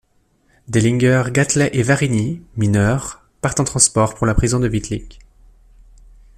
Dehlinger, Gatelet et Varini, mineurs, partent en transport pour la prison de Wittlich.